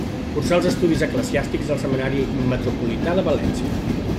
Cursà els estudis eclesiàstics al Seminari Metropolità de València.